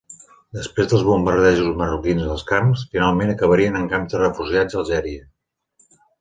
Després dels bombardejos marroquins dels camps, finalment acabarien en camps de refugiats a Algèria.